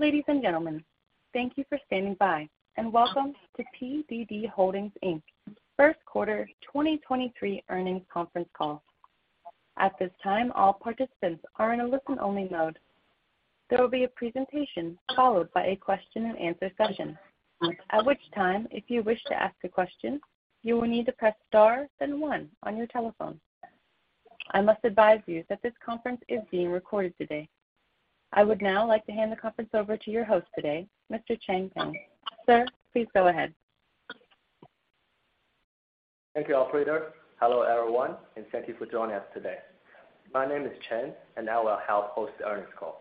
Ladies and gentlemen, thank you for standing by, and welcome to PDD Holdings Inc. First Quarter 2023 Earnings Conference Call. At this time, all participants are in a listen-only mode. There will be a presentation followed by a question and answer session, at which time, if you wish to ask a question, you will need to press Star then one on your telephone. I must advise you that this conference is being recorded today. I would now like to hand the conference over to your host today, Mr. Chen Pang. Sir, please go ahead. Thank you, operator. Hello, everyone, and thank you for joining us today. My name is Chen, and I will help host the earnings call.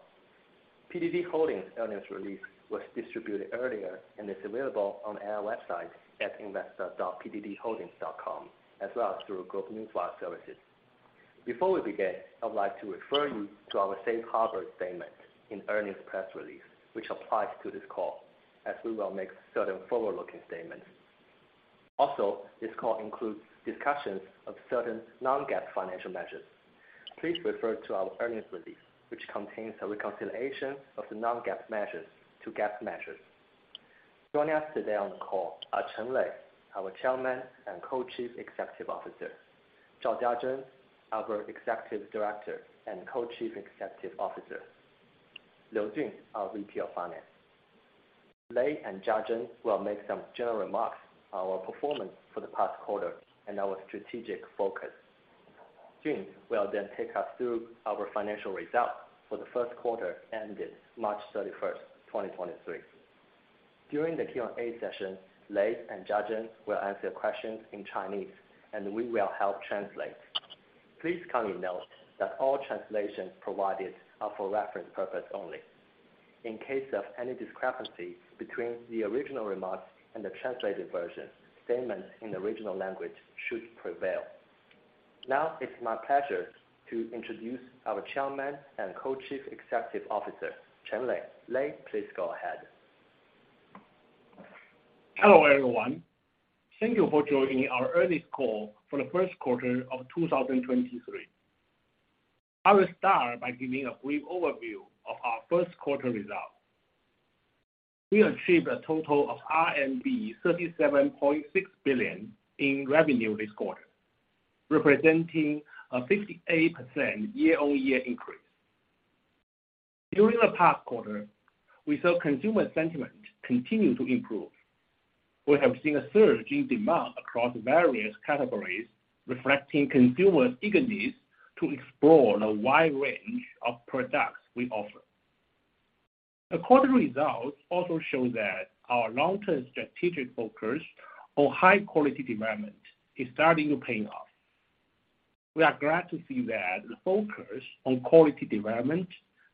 PDD Holdings earnings release was distributed earlier and is available on our website at investor.pddholdings.com, as well as through global news wire services. Before we begin, I would like to refer you to our safe harbor statement in earnings press release, which applies to this call, as we will make certain forward-looking statements. Also, this call includes discussions of certain non-GAAP financial measures. Please refer to our earnings release, which contains a reconciliation of the non-GAAP measures to GAAP measures. Joining us today on the call are Chen Lei, our Chairman and Co-Chief Executive Officer; Zhao Jiazhen, our Executive Director and Co-Chief Executive Officer; Liu Jun, our VP of Finance. Lei and Jiazhen will make some general remarks on our performance for the past quarter and our strategic focus. Jun will then take us through our financial results for the first quarter ended March 31, 2023. During the Q&A session, Lei and Jiazhen will answer questions in Chinese, and we will help translate. Please kindly note that all translations provided are for reference purpose only. In case of any discrepancy between the original remarks and the translated version, statements in the original language should prevail. Now, it's my pleasure to introduce our Chairman and Co-Chief Executive Officer, Chen Lei. Lei, please go ahead. Hello, everyone. Thank you for joining our earnings call for the first quarter of 2023. I will start by giving a brief overview of our first quarter results. We achieved a total of RMB 37.6 billion in revenue this quarter, representing a 58% year-on-year increase. During the past quarter, we saw consumer sentiment continue to improve. We have seen a surge in demand across various categories, reflecting consumers' eagerness to explore the wide range of products we offer. The quarter results also show that our long-term strategic focus on high-quality development is starting to paying off. We are glad to see that the focus on quality development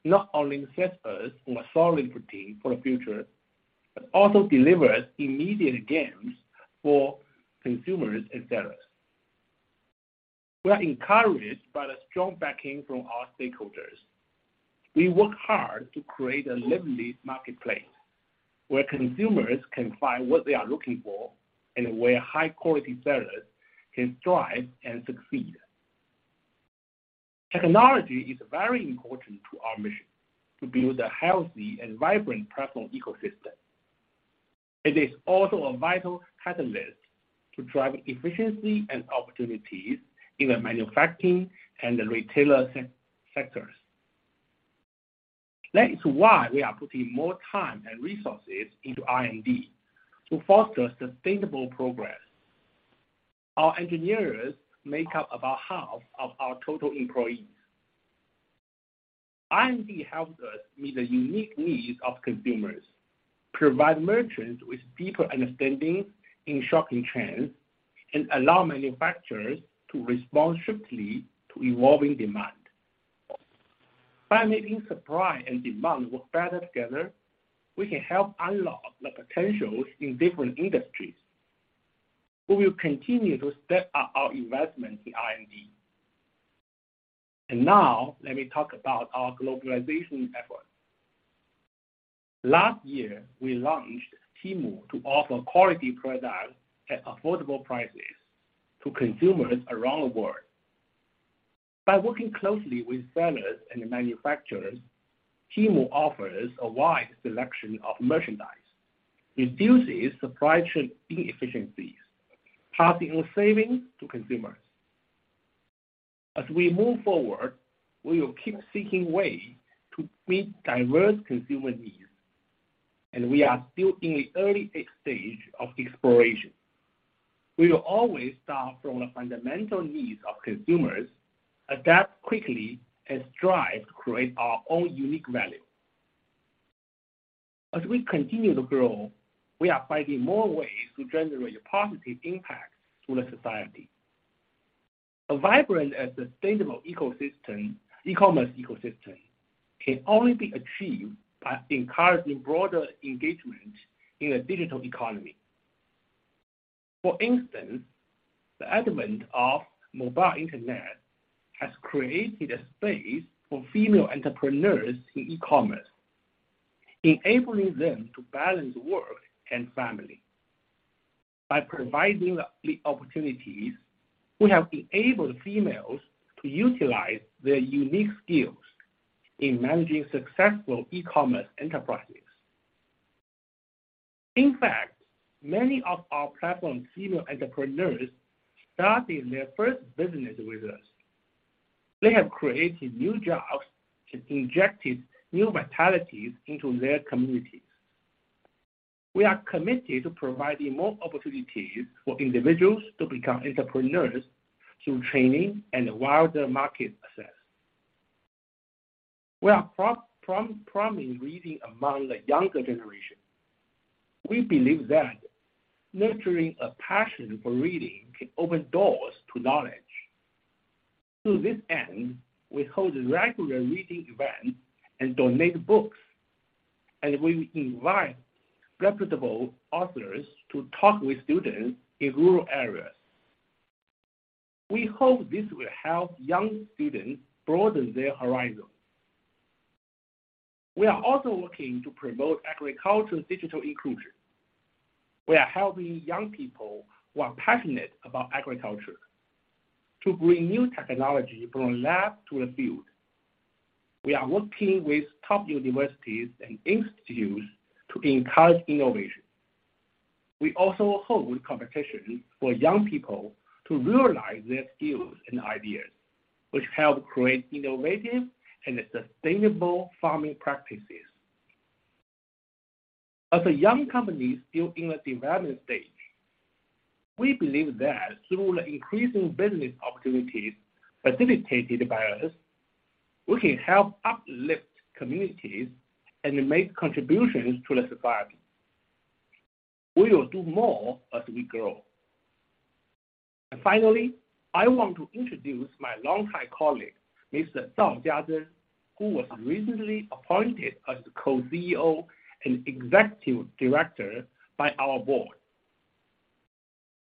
not only sets us on a solid routine for the future, but also delivers immediate gains for consumers and sellers. We are encouraged by the strong backing from our stakeholders. We work hard to create a lively marketplace, where consumers can find what they are looking for and where high-quality sellers can thrive and succeed. Technology is very important to our mission to build a healthy and vibrant platform ecosystem. It is also a vital catalyst to drive efficiency and opportunities in the manufacturing and the retailer sectors. That is why we are putting more time and resources into R&D to foster sustainable progress. Our engineers make up about half of our total employees. R&D helps us meet the unique needs of consumers, provide merchants with deeper understanding in shopping trends, and allow manufacturers to respond swiftly to evolving demand. By making supply and demand work better together, we can help unlock the potentials in different industries. We will continue to step up our investment in R&D. Now, let me talk about our globalization efforts. Last year, we launched Temu to offer quality products at affordable prices to consumers around the world. By working closely with sellers and manufacturers, Temu offers a wide selection of merchandise, reduces supply chain inefficiencies, passing savings to consumers. As we move forward, we will keep seeking ways to meet diverse consumer needs, and we are still in the early stage of exploration. We will always start from the fundamental needs of consumers, adapt quickly, and strive to create our own unique value. As we continue to grow, we are finding more ways to generate a positive impact to the society. A vibrant and sustainable ecosystem, e-commerce ecosystem, can only be achieved by encouraging broader engagement in a digital economy. For instance, the advent of mobile internet has created a space for female entrepreneurs in e-commerce, enabling them to balance work and family.... By providing the opportunities, we have enabled females to utilize their unique skills in managing successful e-commerce enterprises. In fact, many of our platform female entrepreneurs started their first business with us. They have created new jobs and injected new vitalities into their communities. We are committed to providing more opportunities for individuals to become entrepreneurs through training and wider market access. We are promoting reading among the younger generation. We believe that nurturing a passion for reading can open doors to knowledge. To this end, we hold regular reading events and donate books, and we invite reputable authors to talk with students in rural areas. We hope this will help young students broaden their horizon. We are also working to promote agriculture digital inclusion. We are helping young people who are passionate about agriculture to bring new technology from lab to the field. We are working with top universities and institutes to encourage innovation. We also hold competitions for young people to realize their skills and ideas, which help create innovative and sustainable farming practices. As a young company still in the development stage, we believe that through the increasing business opportunities facilitated by us, we can help uplift communities and make contributions to the society. We will do more as we grow. Finally, I want to introduce my long-time colleague, Mr. Zhao Jiazhen, who was recently appointed as the co-CEO and executive director by our board.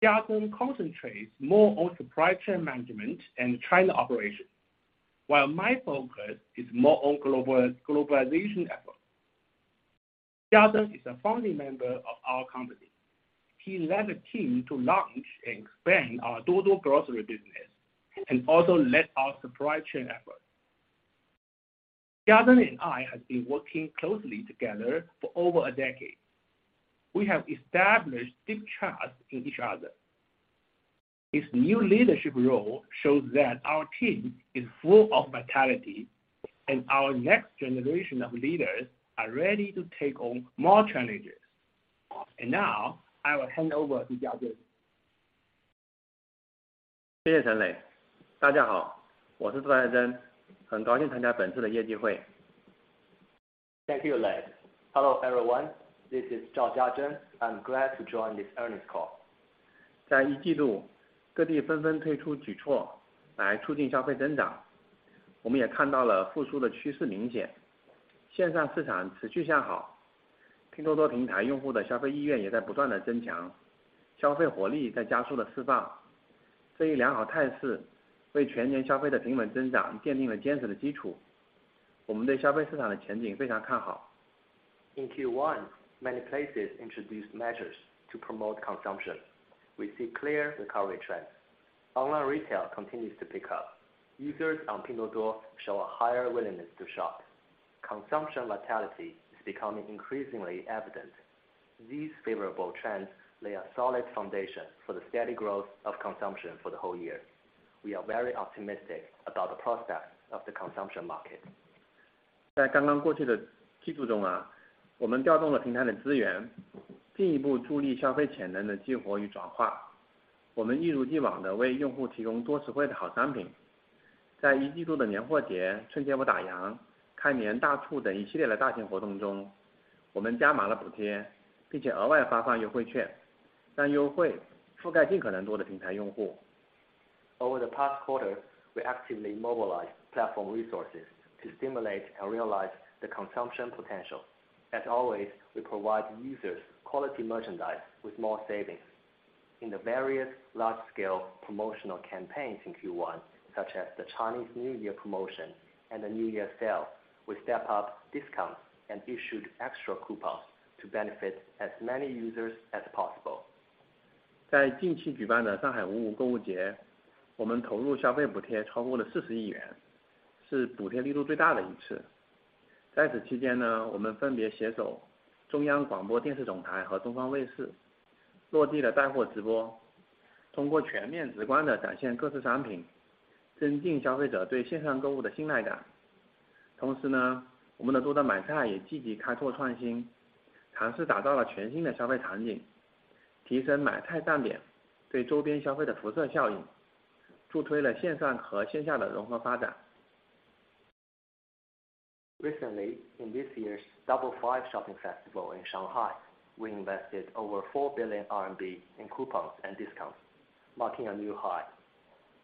Jiazhen concentrates more on supply chain management and China operations, while my focus is more on globalization efforts. Jiazhen is a founding member of our company. He led the team to launch and expand our Duo Duo Grocery business, and also led our supply chain efforts. Jiazhen and I have been working closely together for over a decade. We have established deep trust in each other. This new leadership role shows that our team is full of vitality, and our next generation of leaders are ready to take on more challenges. Now, I will hand over to Jiazhen. Thank you, Lei. Hello, everyone. This is Zhao Jiazhen. I'm glad to join this earnings call. In Q1, many places introduced measures to promote consumption. We see clear recovery trends. Online retail continues to pick up. Users on Pinduoduo show a higher willingness to shop. Consumption vitality is becoming increasingly evident. These favorable trends lay a solid foundation for the steady growth of consumption for the whole year. We are very optimistic about the process of the consumption market. Over the past quarter, we actively mobilized platform resources to stimulate and realize the consumption potential. As always, we provide users quality merchandise with more savings. In the various large-scale promotional campaigns in Q1, such as the Chinese New Year promotion and the New Year sale, we step up discounts and issued extra coupons to benefit as many users as possible. Recently, in this year's Double Five shopping festival in Shanghai, we invested over 4 billion RMB in coupons and discounts, marking a new high.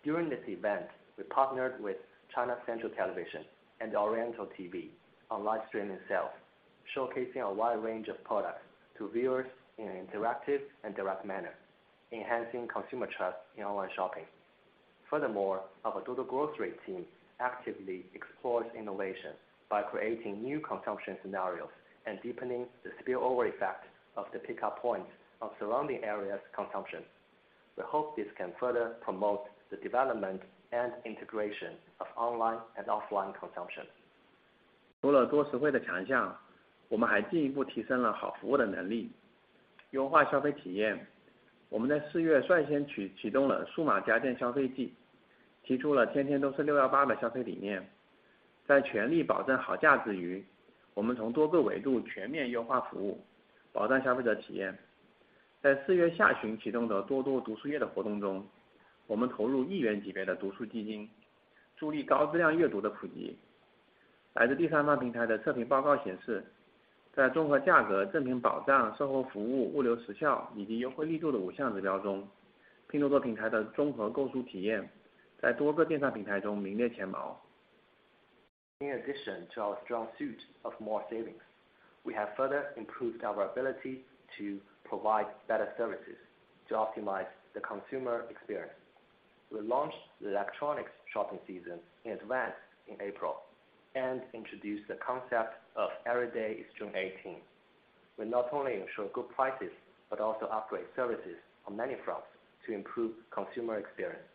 During this event, we partnered with China Central Television and Oriental TV on live streaming sales, showcasing a wide range of products to viewers in an interactive and direct manner, enhancing consumer trust in online shopping. Furthermore, our total grocery team actively explores innovation by creating new consumption scenarios and deepening the spillover effect of the pickup points of surrounding areas consumption. We hope this can further promote the development and integration of online and offline consumption. 除了多实惠的强 项， 我们还进一步提升了好服务的能 力， 优化消费体验。我们在 April 率先启动了数码家电消费 季， 提出了 Everyday is June 18的消费理念。在全力保证好价之 余， 我们从多个维度全面优化服 务， 保障消费者体验。在 April 下旬启动的 Pinduoduo Reading Month 的活动 中， 我们投入 RMB 100 million-level 的读书基 金， 助力高质量阅读的普及。来自第三方平台的测评报告显 示， 在综合价格、正品保障、售后服务、物流时效以及优惠力度的 five 项指标 中， Pinduoduo 平台的综合购书体验在多个电商平台中名列前茅。In addition to our strong suit of more savings, we have further improved our ability to provide better services to optimize the consumer experience. We launched the electronics shopping season in advance in April, and introduced the concept of Everyday is June 18. We not only ensure good prices, but also upgrade services on many fronts to improve consumer experience.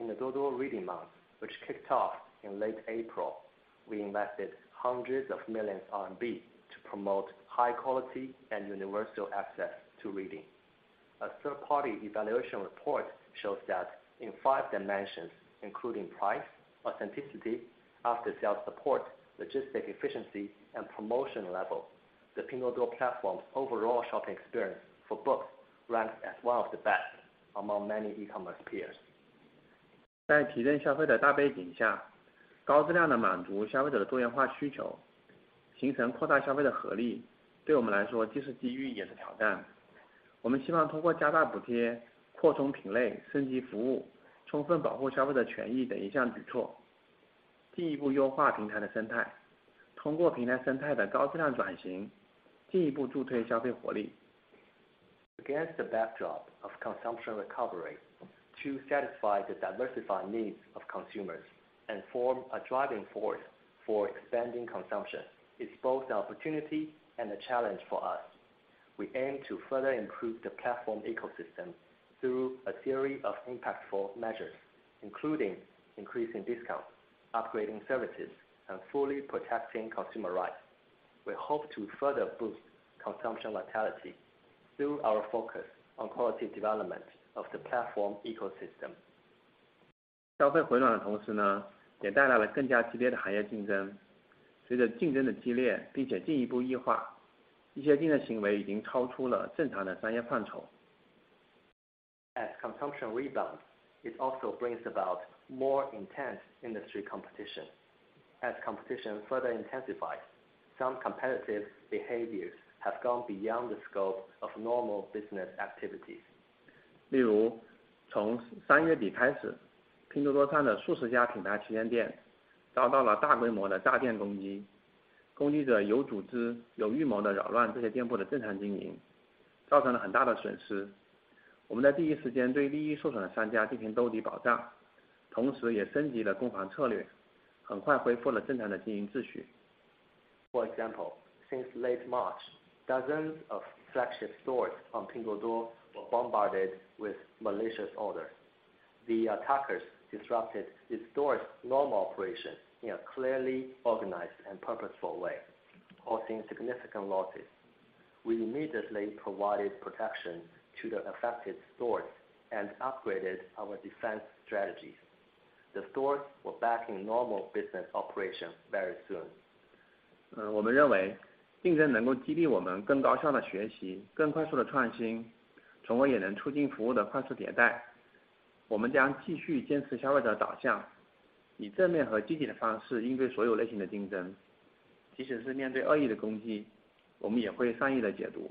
In the Pinduoduo Reading Month, which kicked off in late April, we invested hundreds of millions RMB to promote high quality and universal access to reading. A third-party evaluation report shows that in five dimensions, including price, authenticity, after sales support, logistic efficiency, and promotion level, the Pinduoduo platform's overall shopping experience for books ranks as one of the best among many e-commerce peers. 在提振消费的大背景 下， 高质量地满足消费者的多元化需 求， 形成扩大消费的合 力， 对我们来说既是机遇也是挑战。我们希望通过加大补贴、扩充品类、升级服务、充分保护消费者的权益等一项举措，进一步优化平台的生 态， 通过平台生态的高质量转 型， 进一步助推消费活力。Against the backdrop of consumption recovery, to satisfy the diversified needs of consumers and form a driving force for expanding consumption, is both an opportunity and a challenge for us. We aim to further improve the platform ecosystem through a series of impactful measures, including increasing discount, upgrading services, and fully protecting consumer rights. We hope to further boost consumption vitality through our focus on quality development of the platform ecosystem. 消费回暖的同时 呢， 也带来了更加激烈的行业竞争。随着竞争的激烈并且进一步异 化， 一些竞争行为已经超出了正常的商业范畴。As consumption rebounds, it also brings about more intense industry competition. As competition further intensifies, some competitive behaviors have gone beyond the scope of normal business activities. 例 如, 从三月底开 始, 拼多多上的数十家品牌旗舰店遭到了大规模的炸店攻 击, 攻击者有组织有预谋地扰乱这些店铺的正常经 营, 造成了很大的损 失. 我们在第一时间对利益受损的商家进行兜底保 障, 同时也升级了攻防策 略, 很快恢复了正常的经营秩 序. For example, since late March, dozens of flagship stores on Pinduoduo were bombarded with malicious orders. The attackers disrupted the store's normal operation in a clearly organized and purposeful way, causing significant losses. We immediately provided protection to the affected stores and upgraded our defense strategy. The stores were back in normal business operation very soon. 呃， 我们认 为， 竞争能够激励我们更高效地学 习， 更快速地创 新， 从而也能促进服务的快速迭代。我们将继续坚持消费者导 向， 以正面和积极的方式应对所有类型的竞争。即使是面对恶意的攻 击， 我们也会善意地解读。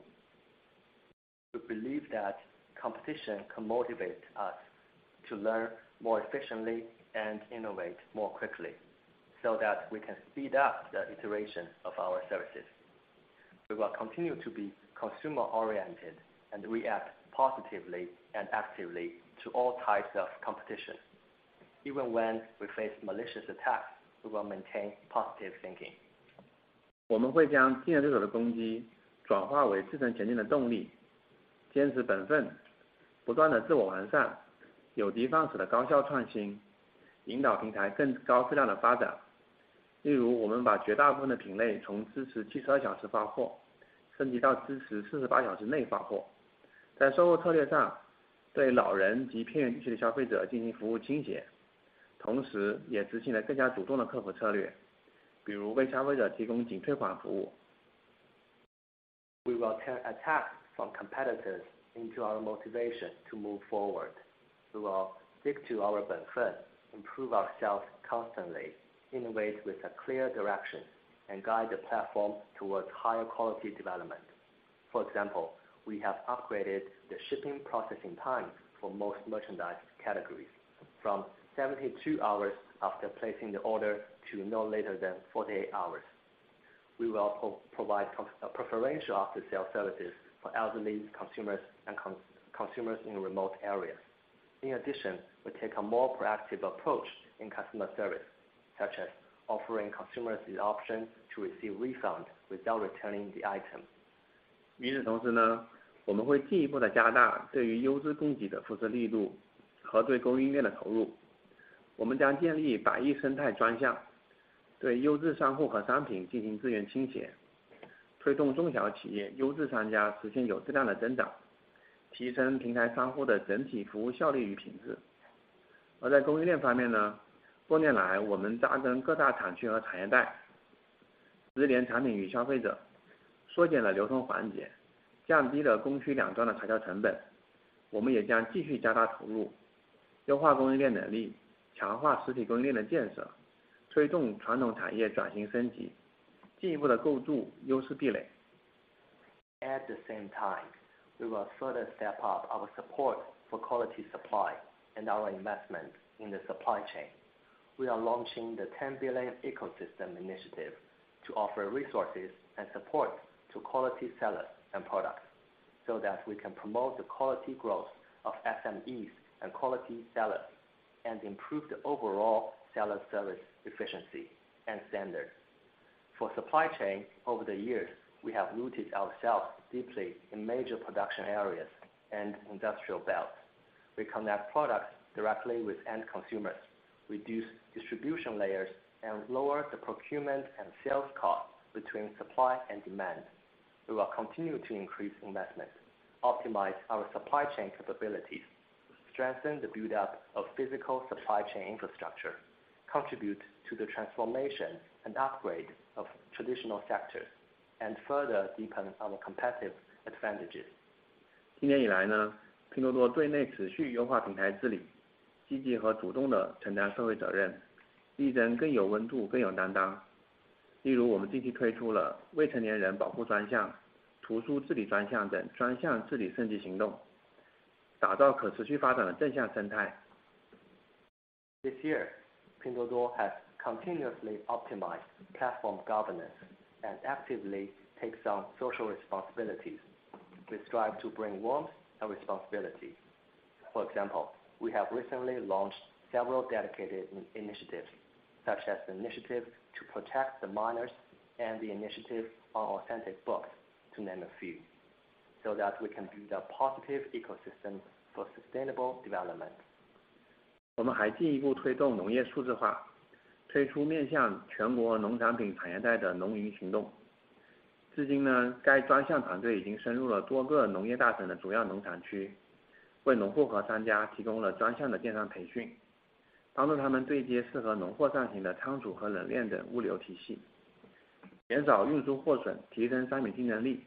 We believe that competition can motivate us to learn more efficiently and innovate more quickly, so that we can speed up the iteration of our services. We will continue to be consumer-oriented and react positively and actively to all types of competition. Even when we face malicious attacks, we will maintain positive thinking. 我们会将竞争对手的攻击转化为自身前进的动 力， 坚持本 分， 不断地自我完 善， 有的放矢地高效创 新， 引导平台更高质量的发展。例 如， 我们把绝大部分的品类从支持72小时发 货， 升级到支持48小时内发货。在售后策略 上， 对老人及偏远地区的消费者进行服务倾 斜， 同时也执行了更加主动的客服策 略， 比如为消费者提供仅退款服务。We will turn attacks from competitors into our motivation to move forward. We will stick to our benefit, improve ourselves constantly, innovate with a clear direction, and guide the platform towards higher quality development. For example, we have upgraded the shipping processing time for most merchandise categories from 72 hours after placing the order to no later than 48 hours. We will also provide a preferential after-sales services for elderly consumers and consumers in remote areas. In addition, we take a more proactive approach in customer service, such as offering consumers the option to receive refunds without returning the item. 与此同时 呢， 我们会进一步的加大对于优质供给的扶持力度和对供应链的投入。我们将建立百亿生态专 项， 对优质商户和商品进行资源倾 斜， 推动中小企业优质商家实现有质量的增长，提升平台商户的整体服务效率与品质。而在供应链方面 呢， 多年 来， 我们扎根各大产区和产业 带， 直连产品与消费 者， 缩减了流通环 节， 降低了供需两端的成交成本。我们也将继续加大投 入， 优化供应链能 力， 强化实体供应链的建 设， 推动传统产业转型升 级， 进一步地构筑优势壁垒。At the same time, we will further step up our support for quality supply and our investment in the supply chain. We are launching the 10 Billion Ecosystem Initiative to offer resources and support to quality sellers and products, so that we can promote the quality growth of SMEs and quality sellers, and improve the overall seller service efficiency and standard. For supply chain, over the years, we have rooted ourselves deeply in major production areas and industrial belts. We connect products directly with end consumers, reduce distribution layers, and lower the procurement and sales costs between supply and demand. We will continue to increase investment, optimize our supply chain capabilities, strengthen the buildup of physical supply chain infrastructure, contribute to the transformation and upgrade of traditional sectors, and further deepen our competitive advantages. 今年以来 呢， 拼多多对内持续优化平台治 理， 积极和主动地承担社会责 任， 立人更有温 度， 更有担当。例 如， 我们近期推出了未成年人保护专项、图书治理专项等专项治理升级行 动， 打造可持续发展的正向生态。This year, Pinduoduo has continuously optimized platform governance and actively takes on social responsibilities. We strive to bring warmth and responsibility. For example, we have recently launched several dedicated initiatives, such as the initiative to protect the minors and the initiative on authentic books, to name a few, so that we can build a positive ecosystem for sustainable development. 我们还进一步推动农业数字 化， 推出面向全国农产品产业带的农云行动。至今 呢， 该专项团队已经深入了多个农业大省的主要农产 区， 为农户和商家提供了专项的电商培 训， 帮助他们对接适合农货上行的仓储和冷链等物流体 系， 减少运输货 损， 提升商品竞争力。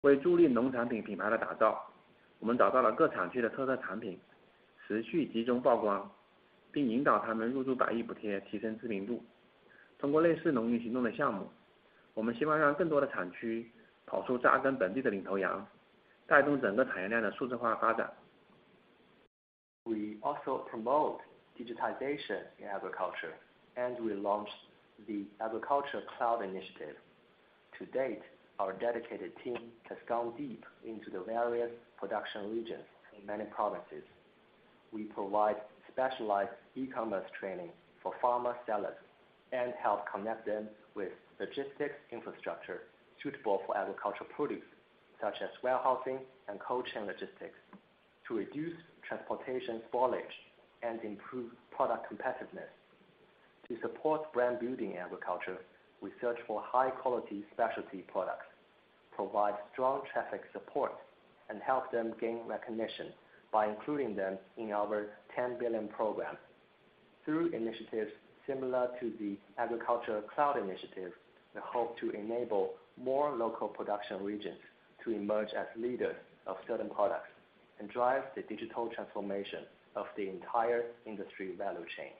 为助力农产品品牌的打 造， 我们找到了各产区的特色产 品， 持续集中曝光，并引导他们入驻百亿补 贴， 提升知名度。通过类似农云行动的项 目， 我们希望让更多的产区跑出扎根本地的领头 羊， 带动整个产业链的数字化发展。We also promote digitization in agriculture. We launched the Agricultural Cloud Initiative. To date, our dedicated team has gone deep into the various production regions in many provinces. We provide specialized e-commerce training for farmer sellers and help connect them with logistics infrastructure suitable for agricultural produce, such as warehousing and cold chain logistics, to reduce transportation spoilage and improve product competitiveness. To support brand building in agriculture, we search for high-quality specialty products, provide strong traffic support, and help them gain recognition by including them in our Ten Billion program. Through initiatives similar to the Agricultural Cloud Initiative, we hope to enable more local production regions to emerge as leaders of certain products and drive the digital transformation of the entire industry value chain.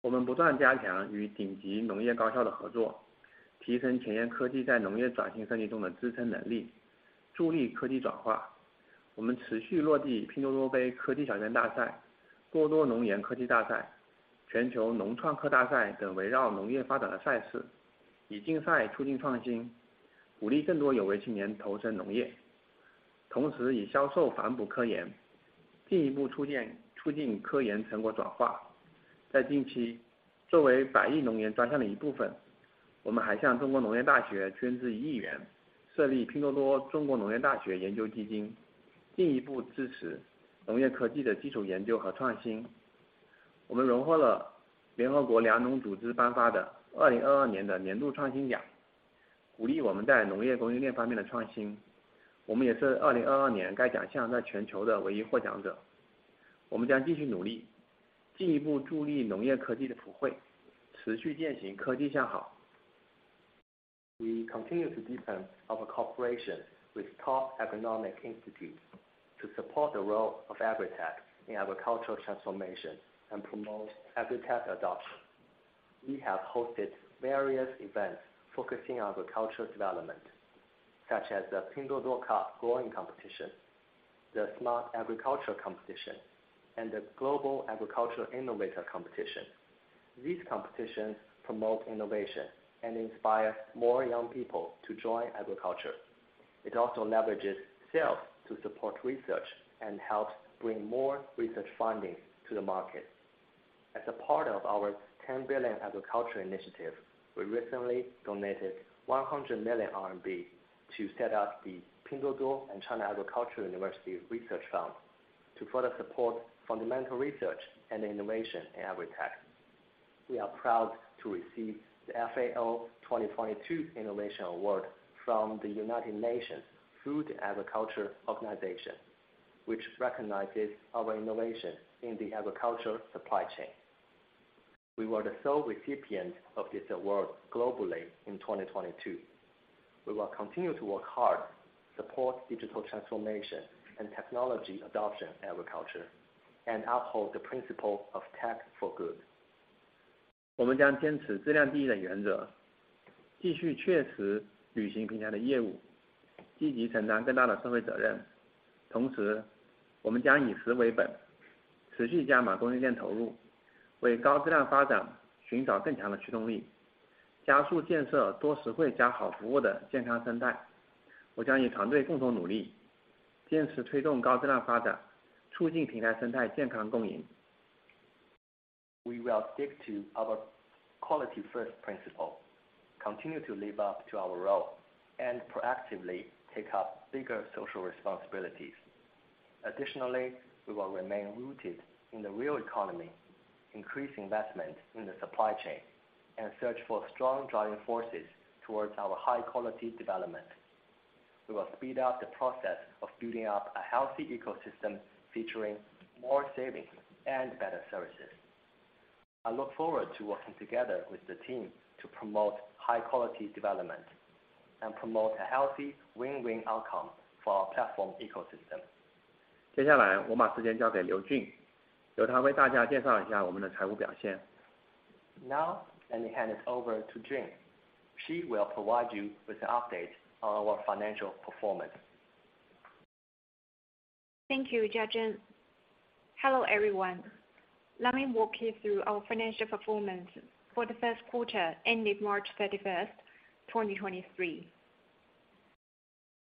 我们不断加强与顶级农业高校的合 作， 提升前沿科技在农业转型升级中的支撑能 力， 助力科技转化。我们持续落地 Pinduoduo Cup Growing Competition、Smart Agriculture Competition、Global AgriInno Challenge 等围绕农业发展的赛 事， 以竞赛促进创 新， 鼓励更多有为青年投身农业。以销售反哺科 研， 进一步促进科研成果转化。作为10 Billion Agriculture Initiative 的一部 分， 我们还向 China Agricultural University 捐赠 RMB 100 million， 设立 Pinduoduo - China Agricultural University Research Fund， 进一步支持农业科技的基础研究和创新。我们荣获了 Food and Agriculture Organization of the United Nations 颁发的2022 Innovation Award， 鼓励我们在农业供应链方面的创新。我们也是2022年该奖项在全球的唯一获奖者。我们将继续努 力， 进一步助力农业科技的谱 汇， 持续践行科技向好。We continue to deepen our cooperation with top agronomic institutes to support the role of agritech in agricultural transformation and promote agritech adoption. We have hosted various events focusing on agricultural development, such as the Pinduoduo Cup Growing Competition, the Smart Agriculture Competition, and the Global Agricultural Innovator Competition. These competitions promote innovation and inspire more young people to join agriculture. It also leverages sales to support research and helps bring more research funding to the market. As a part of our 10 Billion Agriculture Initiative, we recently donated 100 million RMB to set up the Pinduoduo - China Agricultural University Research Fund to further support fundamental research and innovation in agritech. We are proud to receive the FAO 2022 Innovation Award from the Food and Agriculture Organization of the United Nations, which recognizes our innovation in the agriculture supply chain. We were the sole recipient of this award globally in 2022. We will continue to work hard, support digital transformation and technology adoption in agriculture, and uphold the principle of tech for good. We will stick to our quality-first principle, continue to live up to our role, and proactively take up bigger social responsibilities. Additionally, we will remain rooted in the real economy, increase investment in the supply chain, and search for strong driving forces towards our high quality development. We will speed up the process of building up a healthy ecosystem featuring more savings and better services. I look forward to working together with the team to promote high quality development and promote a healthy win-win outcome for our platform ecosystem. Now, let me hand it over to Jun. She will provide you with an update on our financial performance. Thank you, Jiazhen. Hello, everyone. Let me walk you through our financial performance for the first quarter ended March 31st, 2023.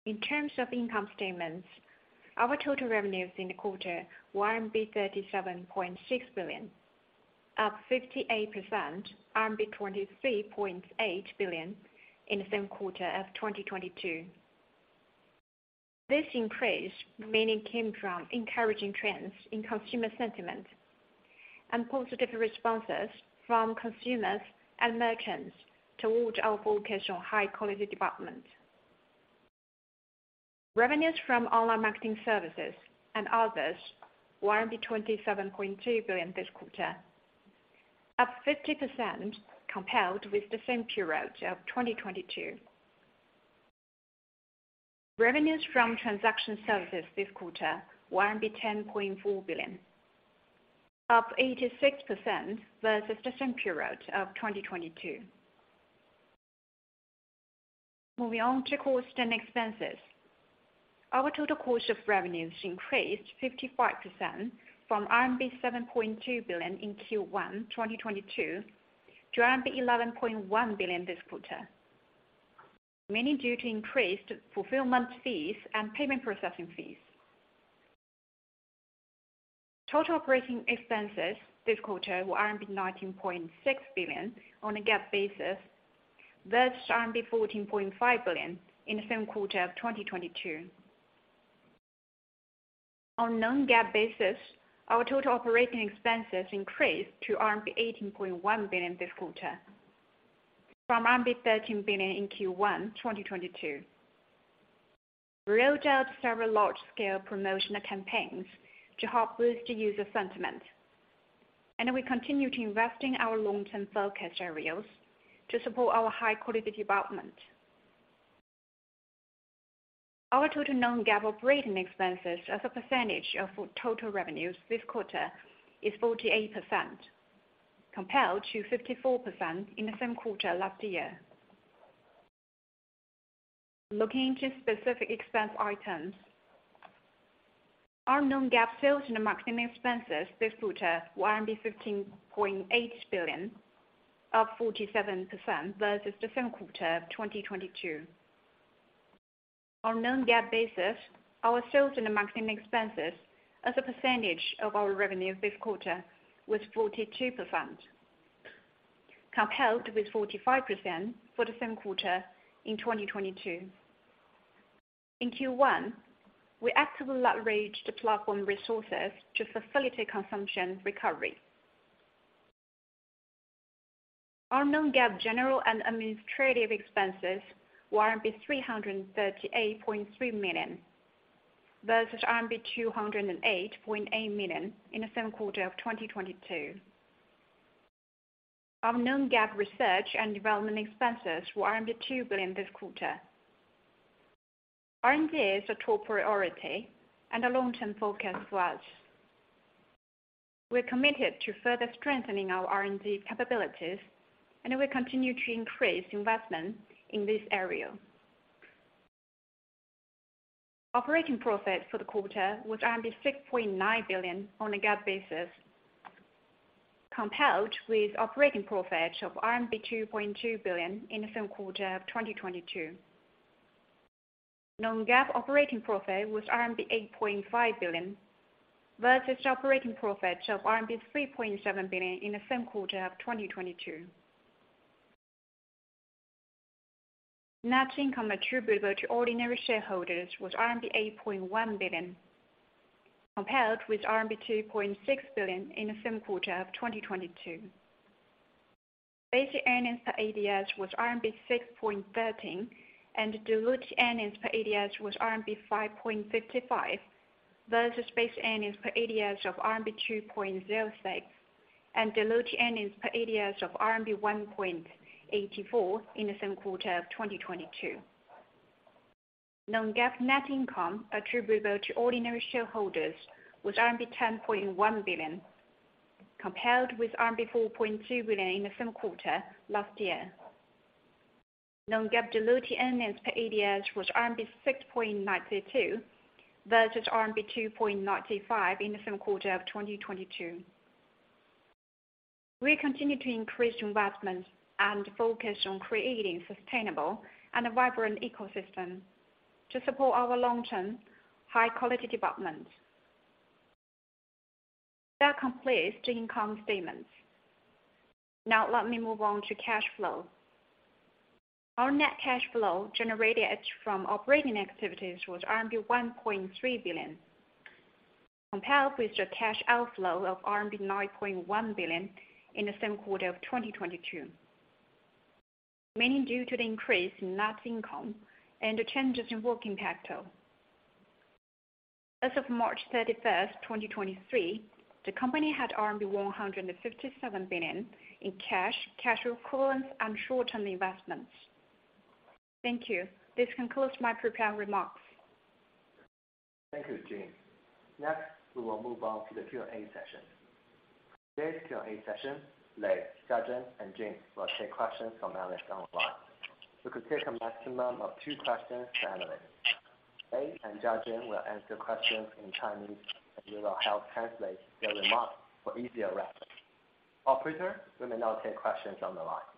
In terms of income statements, our total revenues in the quarter were RMB 37.6 billion, up 58%, RMB 23.8 billion in the same quarter of 2022. This increase mainly came from encouraging trends in consumer sentiment and positive responses from consumers and merchants towards our focus on high quality development. Revenues from online marketing services and others were 27.2 billion this quarter, up 50% compared with the same period of 2022. Revenues from transaction services this quarter were RMB 10.4 billion, up 86% versus the same period of 2022. Moving on to costs and expenses. Our total cost of revenues increased 55% from RMB 7.2 billion in Q1 2022 to RMB 11.1 billion this quarter, mainly due to increased fulfillment fees and payment processing fees. Total operating expenses this quarter were RMB 19.6 billion on a GAAP basis, versus RMB 14.5 billion in the same quarter of 2022. On non-GAAP basis, our total operating expenses increased to RMB 18.1 billion this quarter, from RMB 13 billion in Q1 2022. We rolled out several large scale promotional campaigns to help boost user sentiment, and we continue to invest in our long-term focus areas to support our high quality development. Our total non-GAAP operating expenses as a percentage of total revenues this quarter is 48%, compared to 54% in the same quarter last year. Looking to specific expense items, our non-GAAP sales and marketing expenses this quarter were 15.8 billion, up 47% versus the same quarter of 2022. On non-GAAP basis, our sales and marketing expenses as a percentage of our revenue this quarter was 42%, compared with 45% for the same quarter in 2022. In Q1, we actively outreach the platform resources to facilitate consumption recovery. Our non-GAAP general and administrative expenses were RMB 338.3 million, versus RMB 208.8 million in the same quarter of 2022. Our non-GAAP research and development expenses were 2 billion this quarter. R&D is a top priority and a long-term focus for us. We're committed to further strengthening our R&D capabilities, and we continue to increase investment in this area. Operating profit for the quarter was 6.9 billion on a GAAP basis, compared with operating profit of 2.2 billion in the same quarter of 2022. Non-GAAP operating profit was RMB 8.5 billion, versus operating profit of RMB 3.7 billion in the same quarter of 2022. Net income attributable to ordinary shareholders was RMB 8.1 billion, compared with RMB 2.6 billion in the same quarter of 2022. Basic earnings per ADS was RMB 6.13, and diluted earnings per ADS was RMB 5.55, versus basic earnings per ADS of RMB 2.06, and diluted earnings per ADS of RMB 1.84 in the same quarter of 2022. Non-GAAP net income attributable to ordinary shareholders was RMB 10.1 billion, compared with RMB 4.2 billion in the same quarter last year. Non-GAAP diluted earnings per ADS was RMB 6.92, versus RMB 2.95 in the same quarter of 2022. We continue to increase investments and focus on creating sustainable and a vibrant ecosystem to support our long-term, high-quality development. That completes the income statement. Now let me move on to cash flow. Our net cash flow generated from operating activities was RMB 1.3 billion, compared with the cash outflow of RMB 9.1 billion in the same quarter of 2022, mainly due to the increase in net income and the changes in working capital. As of March 31st, 2023, the company had 157 billion in cash equivalents, and short-term investments. Thank you. This concludes my prepared remarks. Thank you, Jun. Next, we will move on to the Q&A session. Today's Q&A session, Lei, Jiazhen, and Jun will take questions from analysts online. We could take a maximum of two questions per analyst. Lei and Jiazhen will answer questions in Chinese, and we will help translate their remarks for easier reference. Operator, we may now take questions on the line.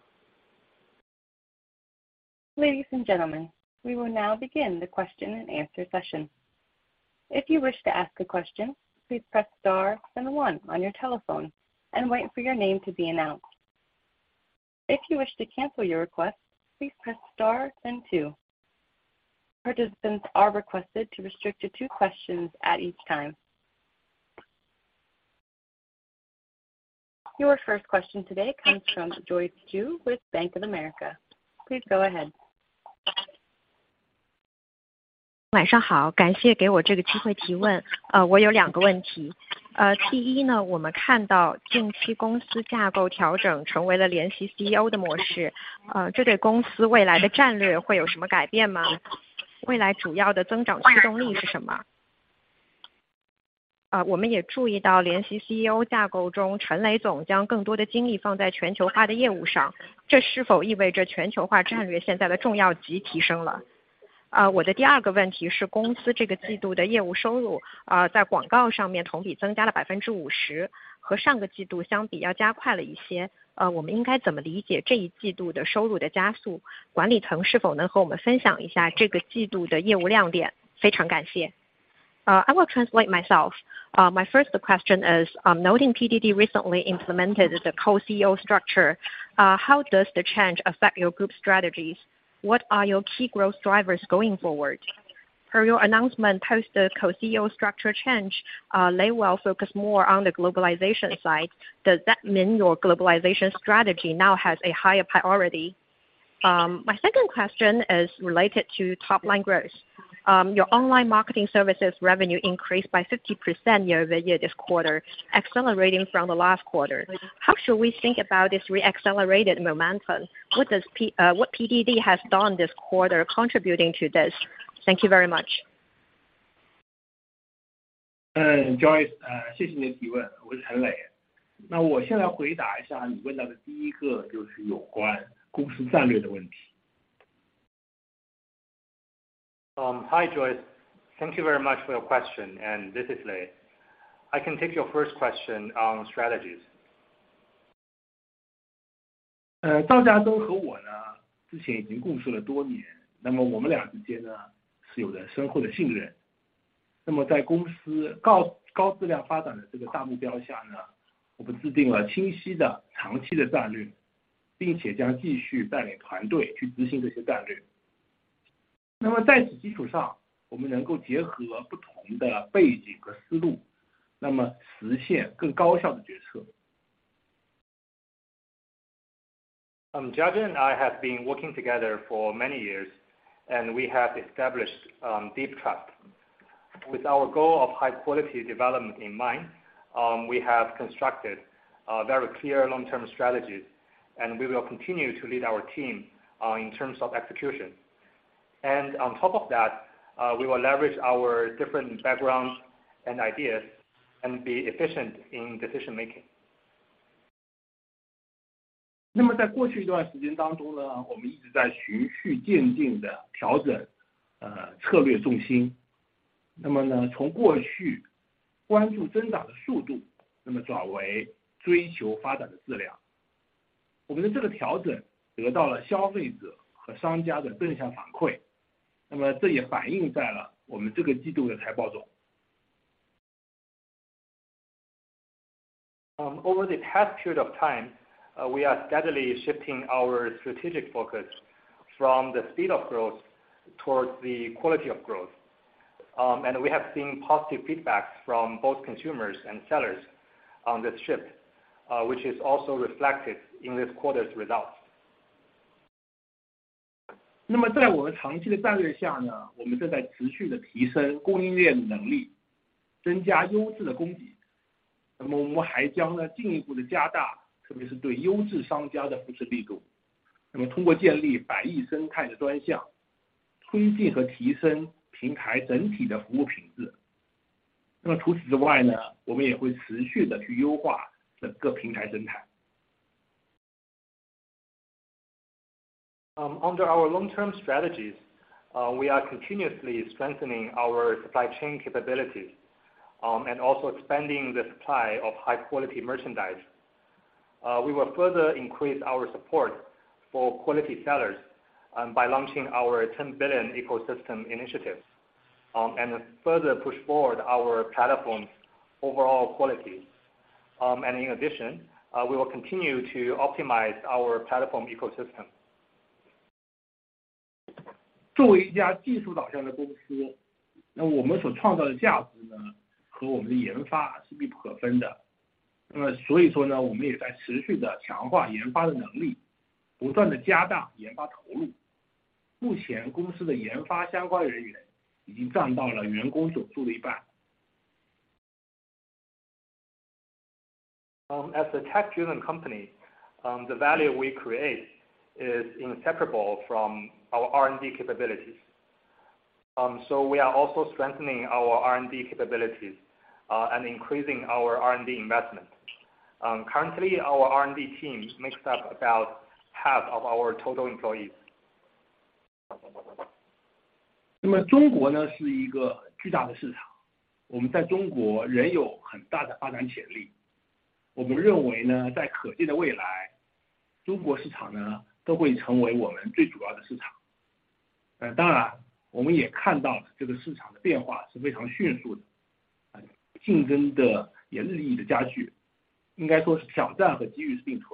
Ladies and gentlemen, we will now begin the question-and-answer session. If you wish to ask a question, please press star then one on your telephone and wait for your name to be announced. If you wish to cancel your request, please press star then two. Participants are requested to restrict to two questions at each time. Your first question today comes from Joyce Ju with Bank of America. Please go ahead. 晚上 好， 感谢给我这个机会提问。我有两个问 题， 第一 呢， 我们看到近期公司架构调整成为了联席 CEO 的模 式， 这对公司未来的战略会有什么改变 吗？ 未来主要的增长驱动力是什么 ？我 们也注意到联席 CEO 架构 中， 陈磊总将更多的精力放在全球化的业务 上， 这是否意味着全球化战略现在的重要级提升了？我的第二个问题 是， 公司这个季度的业务收 入， 在广告上面同比增加了 50%， 和上个季度相比要加快了一 些， 我们应该怎么理解这一季度的收入的加 速？ 管理层是否能和我们分享一下这个季度的业务亮 点？ 非常感谢。I will translate myself. My first question is, I'm noting PDD recently implemented the co-CEO structure. How does the change affect your group strategies? What are your key growth drivers going forward? Per your announcement, post the co-CEO structure change, they will focus more on the globalization side. Does that mean your globalization strategy now has a higher priority? My second question is related to top-line growth. Your online marketing services revenue increased by 50% year-over-year this quarter, accelerating from the last quarter. How should we think about this re-accelerated momentum? What PDD has done this quarter contributing to this? Thank you very much. Joyce, 谢谢你的提 问， 我是陈磊。我先来回答一下你问到的第一 个， 就是有关公司战略的问题。Hi, Joyce. Thank you very much for your question, and this is Lei. I can take your first question on strategies. Zhao Jiazhen 和我 呢， 之前已经共事了多 年， 我们俩之间 呢， 是有着深厚的信任。在公司高质量发展的这个大目标下 呢， 我们制定了清晰的、长期的战 略， 并且将继续带领团队去执行这些战略。在此基础 上， 我们能够结合不同的背景和思 路， 实现更高效的决策。Jiazhen and I have been working together for many years, and we have established deep trust. With our goal of high quality development in mind, we have constructed a very clear long-term strategy, and we will continue to lead our team in terms of execution. on top of that, we will leverage our different backgrounds and ideas and be efficient in decision making. 在过去一段时间当 中， 我们一直在循序渐进地调整策略重心。从过去关注增长的速 度， 那么转为追求发展的质 量， 我们的这个调整得到了消费者和商家的正向反 馈， 那么这也反映在了我们这个季度的财报中。Over the past period of time, we are steadily shifting our strategic focus from the speed of growth towards the quality of growth. We have seen positive feedbacks from both consumers and sellers on this shift, which is also reflected in this quarter's results. 那么在我们长期的战略下 呢， 我们正在持续地提升供应链的能 力， 增加优质的供给。那么我们还将进一步地加 大， 特别是对优质商家的扶持力度。那么通过建立百亿生态的专 项， 推进和提升平台整体的服务品质。那么除此之外 呢， 我们也会持续地去优化整个平台生态。Under our long-term strategies, we are continuously strengthening our supply chain capabilities, and also expanding the supply of high quality merchandise. We will further increase our support for quality sellers, and by launching our 10 Billion Ecosystem initiatives, and further push forward our platform's overall quality. In addition, we will continue to optimize our platform ecosystem. 作为一家技术导向的公 司， 那我们所创造的价值 呢， 和我们的研发是密不可分的。那么所以说 呢， 我们也在持续地强化研发的能 力， 不断地加大研发投入。目前公司的研发相关人员已经占到了员工总数的一半。As a tech-driven company, the value we create is inseparable from our R&D capabilities. We are also strengthening our R&D capabilities, and increasing our R&D investment. Currently, our R&D team makes up about half of our total employees. 那么中国 呢， 是一个巨大的市 场， 我们在中国仍有很大的发展潜力。我们认为 呢， 在可见的未 来， 中国市场 呢， 都会成为我们最主要的市场。当 然， 我们也看到这个市场的变化是非常迅速 的， 竞争的也日益的加 剧， 应该说是挑战和机遇并存。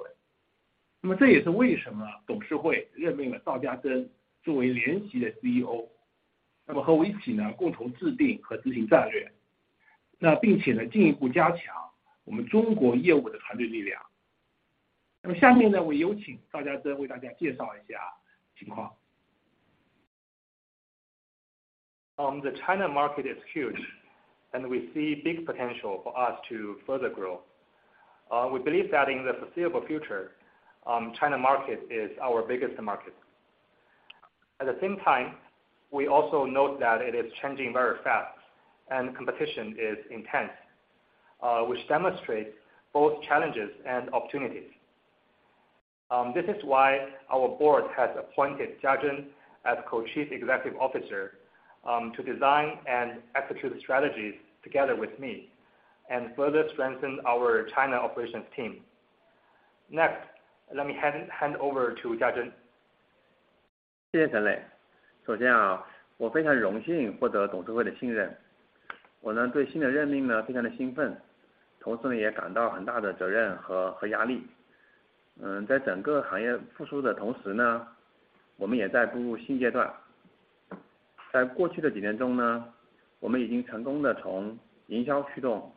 那么这也是为什么董事会任命了赵佳珍作为联席的 CEO， 那么和我一起 呢， 共同制定和执行战 略， 那并且呢进一步加强我们中国业务的团队力量。那么下面 呢， 我有请赵佳珍为大家介绍一下情况。The China market is huge. We see big potential for us to further grow. We believe that in the foreseeable future, China market is our biggest market. At the same time, we also note that it is changing very fast and competition is intense, which demonstrates both challenges and opportunities. This is why our board has appointed Jiazhen as Co-Chief Executive Officer, to design and execute strategies together with me, and further strengthen our China operations team. Next, let me hand over to Jiazhen. 谢谢陈磊。首先 啊， 我非常荣幸获得董事会的信 任， 我 呢， 对新的任命呢非常的兴 奋， 同时 呢， 也感到很大的责任 和， 和压力。呃， 在整个行业复苏的同时 呢， 我们也在步入新阶段。在过去的几年中 呢， 我们已经成功地从营销驱动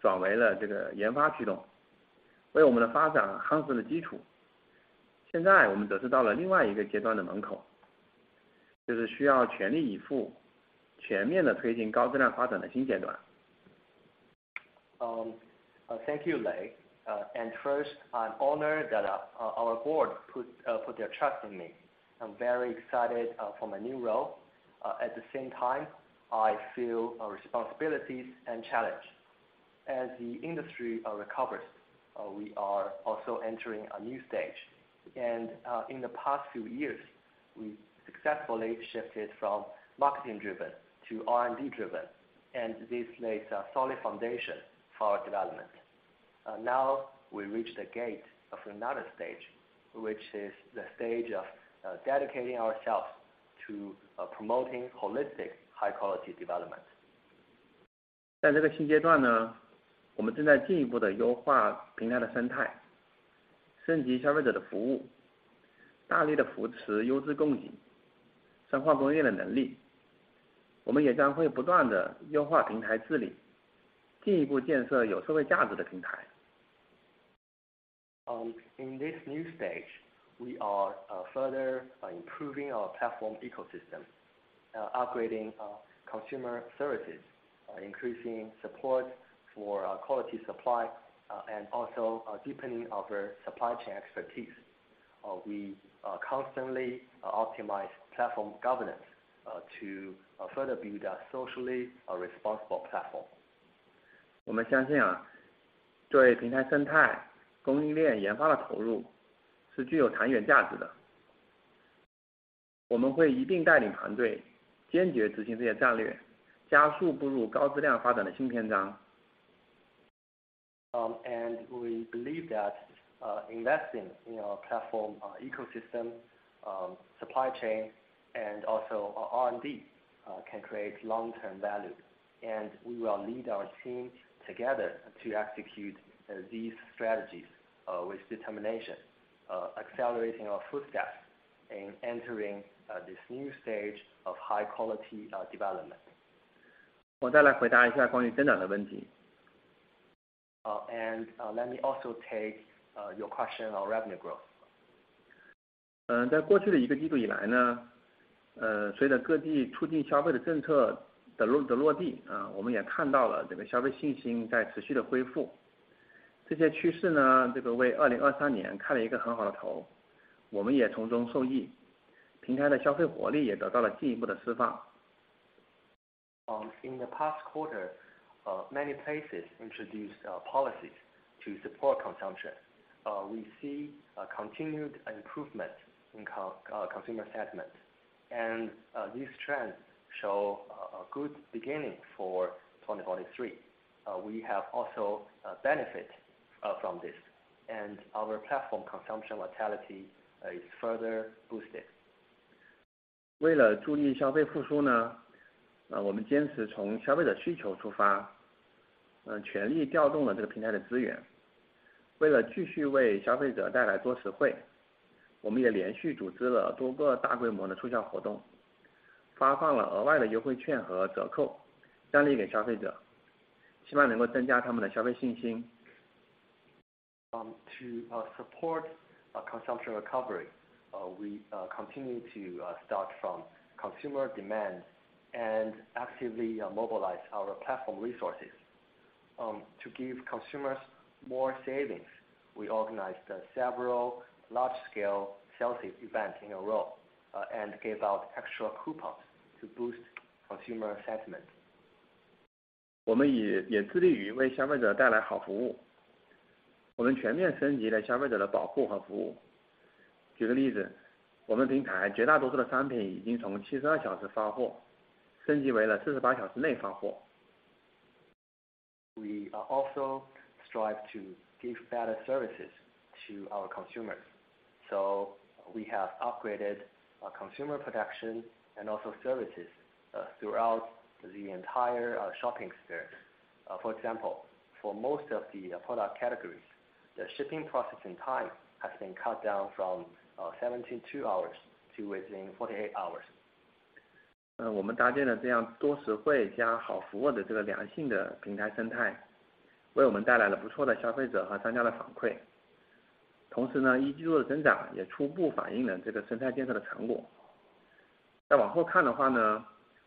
转为了这个研发驱 动， 为我们的发展夯实了基础。现在我们则是到了另外一个阶段的门 口， 就是需要全力以 赴， 全面地推进高质量发展的新阶段。Thank you, Lei. First, I'm honored that our board put their trust in me. I'm very excited for my new role. At the same time, I feel responsibilities and challenge. As the industry recovers, we are also entering a new stage, and in the past few years, we successfully shifted from marketing driven to R&D driven, and this lays a solid foundation for our development. Now we reach the gate of another stage, which is the stage of dedicating ourselves to promoting holistic, high quality development. 在这个新阶段 呢，我们 正在进一步地优化平台的 生态，升级 消费者的 服务，大力 地扶持优质 供给，深化 供应链的能力。我们也将会不断地优化平台 治理，进一步 建设有社会价值的平台。In this new stage, we are further improving our platform ecosystem. Upgrading our consumer services, increasing support for our quality supply, and also, deepening our supply chain expertise. We constantly optimize platform governance, to further build a socially responsible platform. 我们相信对平台生态、供应链研发的投入是具有长远价值的。我们会一并带领团队坚决执行这些战 略， 加速步入高质量发展的新篇章。We believe that investing in our platform, our ecosystem, supply chain, and also our R&D can create long-term value. We will lead our team together to execute these strategies with determination, accelerating our footsteps in entering this new stage of high-quality development. 我再来回答一下关于增长的问 题. Let me also take your question on revenue growth. 在过去的一个季度以来 呢, 随着各地促进消费的政策的 落地, 我们也看到了这个消费信心在持续地 恢复. 这些趋势 呢, 这个为2023年开了一个很好的 头, 我们也从中 受益, 平台的消费活力也得到了进一步的 释放. In the past quarter, many places introduced policies to support consumption. We see a continued improvement in consumer sentiment, and these trends show a good beginning for 2023. We have also benefit from this, and our platform consumption vitality is further boosted. 为了助力消费复苏 呢， 呃， 我们坚持从消费的需求出 发， 呃， 全力调动了这个平台的资源。为了继续为消费者带来多实 惠， 我们也连续组织了多个大规模的促销活 动， 发放了额外的优惠券和折 扣， 奖励给消费 者， 希望能够增加他们的消费信心。To support a consumption recovery, we continue to start from consumer demand and actively mobilize our platform resources. To give consumers more savings, we organized several large-scale sales events in a row, and gave out extra coupons to boost consumer sentiment. 我们 也， 也致力于为消费者带来好服 务， 我们全面升级了消费者的保护和服务。举个例 子， 我们平台绝大多数的商品已经从七十二小时发货升级为了四十八小时内发货。We are also strive to give better services to our consumers. We have upgraded our consumer protection and also services throughout the entire shopping experience. For example, for most of the product categories, the shipping processing time has been cut down from 72 hours to within 48 hours. 呃， 我们搭建了这样多实惠加好服务的这个良性的平台生 态， 为我们带来了不错的消费者和商家的反馈。同时 呢， 一季度的增长也初步反映了这个生态建设的成果。再往后看的话 呢，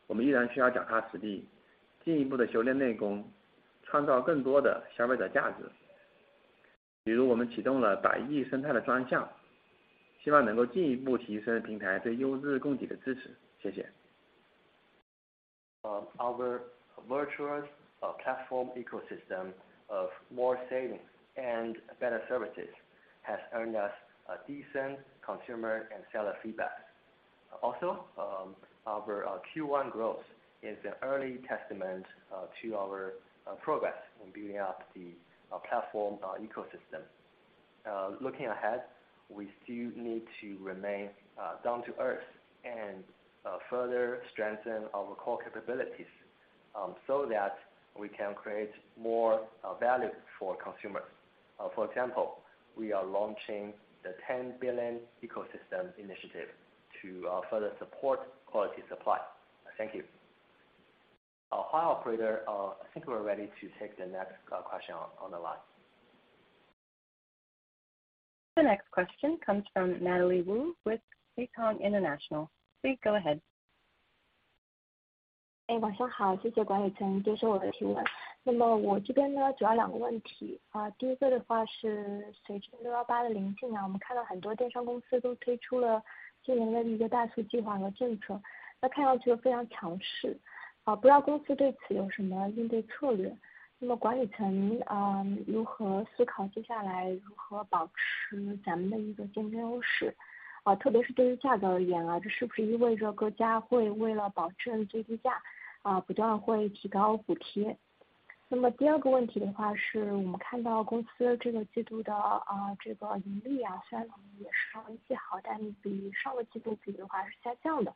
我们依然需要脚踏实 地， 进一步地修炼内 功， 创造更多的消费者价值。比如我们启动了百亿生态的专 项， 希望能够进一步提升平台对优质供给的支持。谢谢。Our virtuous platform ecosystem of more savings and better services has earned us a decent consumer and seller feedback. Our Q1 growth is an early testament to our progress in building up the platform ecosystem. We still need to remain down to earth and further strengthen our core capabilities so that we can create more value for consumers. We are launching the 10 Billion Ecosystem Initiative to further support quality supply. Thank you. I think we are ready to take the next question on the line. The next question comes from Natalie Wu with Haitong International. Please go ahead. 哎， 晚上 好， 谢谢管理层接受我的提问。那么我这边 呢， 主要两个问 题， 呃， 第一个的话是随着六幺八的临近 啊， 我们看到很多电商公司都推出了今年的一个大促计划和政 策， 那看上去非常强 势， 啊， 不知道公司对此有什么应对策 略， 那么管理层 啊， 如何思考接下来如何保持咱们的一个竞争优 势？ 啊， 特别是对于价格而言 啊， 这是不是意味着各家会为了保持这个 价， 啊， 不断会提高补贴 ？那 么第二个问题的话 是， 我们看到公司这个季度的 啊， 这个盈利 啊， 虽然也是稍微 好， 但比上个季度比的话是下降的。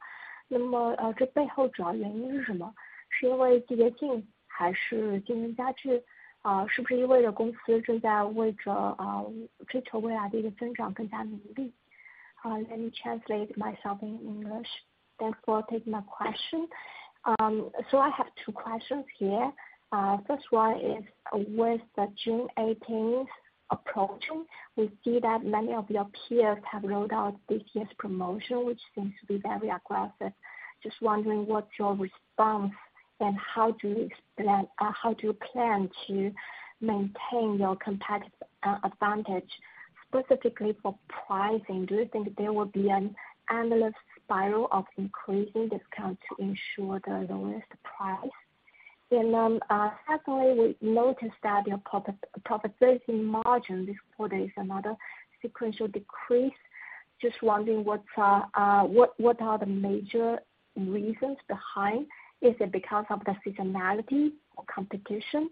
那 么， 呃， 这背后主要原因是什 么？ 是因为季节性还是竞争加 剧？ 啊， 是不是意味着公司正在为着 啊， 追求未来的增长更加努力。Uh, let me translate myself in English. Thanks for taking my question. I have two questions here. First one is, with the June 18 approaching, we see that many of your peers have rolled out this year's promotion, which seems to be very aggressive. Just wondering what's your response and how do you plan to maintain your competitive advantage specifically for pricing? Do you think there will be an endless spiral of increasing discounts to ensure the lowest price? Secondly, we noticed that your profitability margin this quarter is another sequential decrease. Just wondering what are the major reasons behind? Is it because of the seasonality or competition?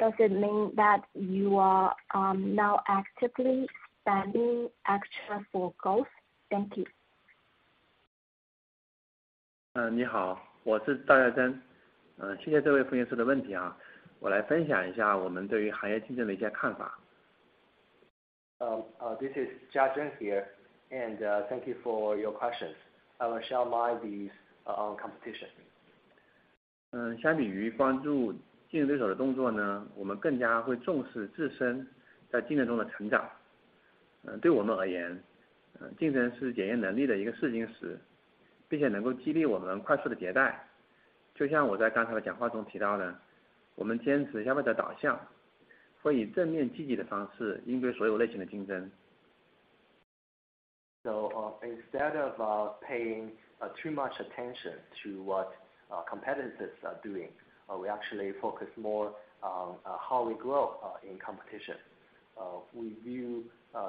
Does it mean that you are now actively spending extra for growth? Thank you. 你 好, 我是赵大征。谢谢这位分析师的问题啊。我来分享一下我们对于行业竞争的一些看法。This is Jiazhen here, thank you for your questions. I will share my views on competition. 相比于关注竞争对手的动作 呢, 我们更加会重视自身在竞争中的成长。对我们而 言, 竞争是检验能力的一个试金 石, 并且能够激励我们快速地迭代。就像我在刚才的讲话中提到 的， 我们坚持消费的导 向， 会以正面积极的方式应对所有类型的竞争。Instead of paying too much attention to what competitors are doing, we actually focus more on how we grow in competition. We view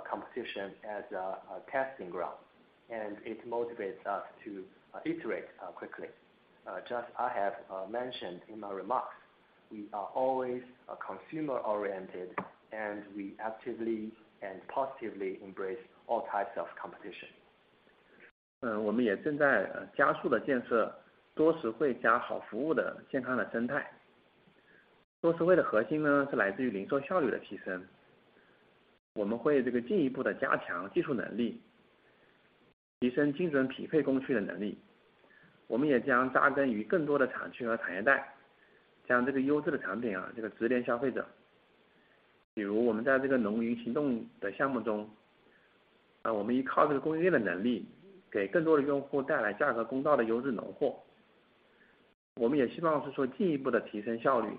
competition as a testing ground, and it motivates us to iterate quickly. Just I have mentioned in my remarks, we are always a consumer-oriented, and we actively and positively embrace all types of competition. 我们也正在加速地建设多实惠加好服务的健康的生态。多实惠的核心 呢, 是来自于零售效率的提升。我们会这个进一步地加强技术能 力, 提升精准匹配供需的能力。我们也将扎根于更多的产区和产 带, 将这个优质的产品 啊, 这个直连消费者。比如我们在这个农云行动的项目 中, 我们依靠这个供应链的能 力, 给更多的用户带来价格公道的优质农货。我们也希望是说进一步地提升效 率,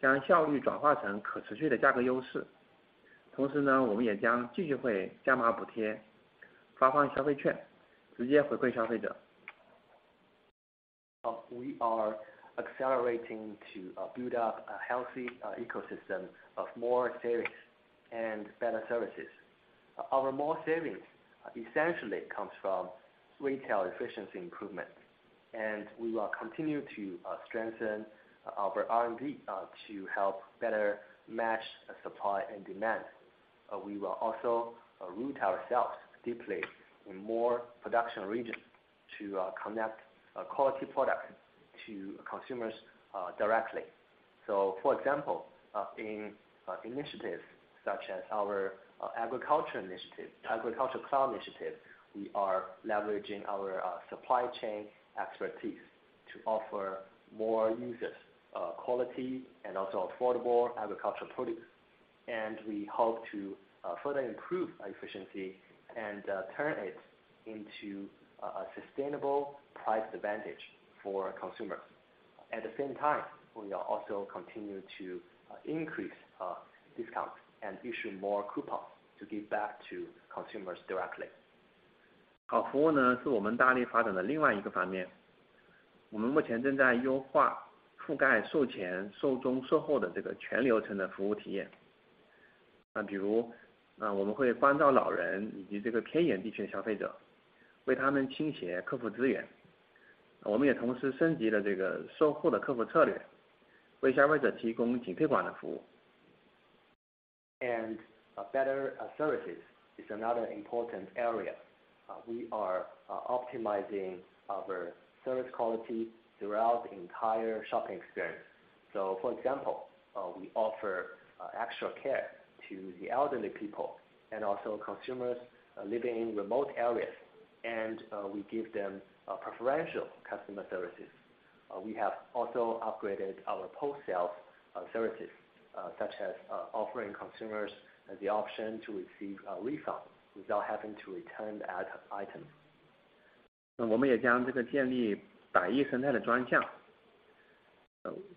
将效率转化成可持续的价格优势。同时 呢, 我们也将继续会加码补 贴, 发放消费 券, 直接回馈消费者。We are accelerating to build up a healthy ecosystem of more savings and better services. Our more savings essentially comes from retail efficiency improvement, and we will continue to strengthen our R&D to help better match supply and demand. We will also root ourselves deeply in more production regions to connect quality products to consumers directly. For example, in initiatives such as our agriculture initiative, Agricultural Cloud Initiative, we are leveraging our supply chain expertise to offer more users quality and also affordable agricultural produce. We hope to further improve our efficiency and turn it into a sustainable price advantage for consumers. At the same time, we are also continuing to increase discounts and issue more coupons to give back to consumers directly. 好服务 呢， 是我们大力发展的另外一个方面。我们目前正在优化覆盖售前、售中、售后的这个全流程的服务体验。比 如, 我们会关照老人以及这个偏远地区的消费者，为他们倾斜客服资源。我们也同时升级了这个售后的客服策 略， 为消费者提供仅退款的服务。A better services is another important area. We are optimizing our service quality throughout the entire shopping experience. For example, we offer extra care to the elderly people and also consumers living in remote areas, and we give them preferential customer services. We have also upgraded our post-sales services, such as offering consumers the option to receive a refund without having to return the item. 那我们将这个建立百亿生态的专项。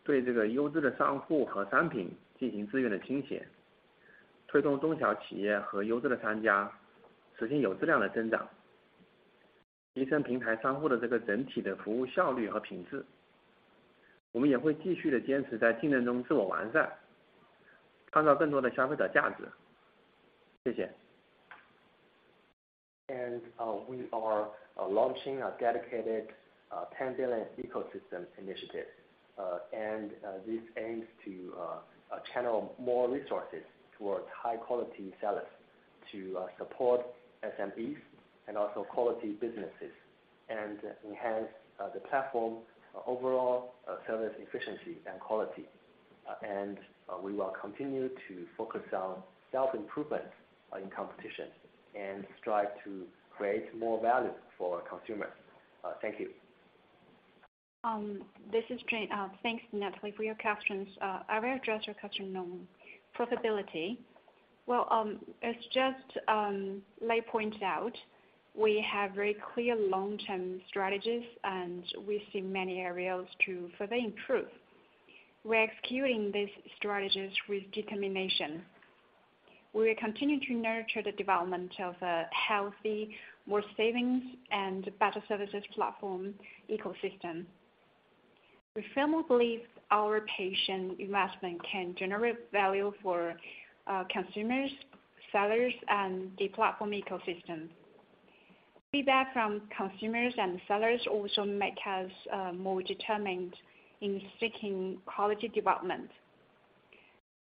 对这个优质的商户和商品进行资源的倾 斜， 推动中小企业和优质的商家实现有质量的增长，提升平台商户的这个整体的服务效率和品质。我们也会继续地坚持在竞争中自我完 善， 创造更多的消费者价值。谢谢。we are launching a dedicated 10 Billion Ecosystem Initiative. This aims to channel more resources towards high-quality sellers to support SMEs and also quality businesses, and enhance the platform's overall service efficiency and quality. We will continue to focus on self-improvement in competition and strive to create more value for our consumers. Thank you. This is Jun. Thanks, Natalie, for your questions. I will address your question on profitability. As just Lei pointed out, we have very clear long-term strategies, and we see many areas to further improve. We are executing these strategies with determination. We will continue to nurture the development of a healthy, more savings, and better services platform ecosystem. We firmly believe our patient investment can generate value for consumers, sellers, and the platform ecosystem. Feedback from consumers and sellers also make us more determined in seeking quality development.